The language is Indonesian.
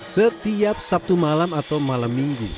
setiap sabtu malam atau malam minggu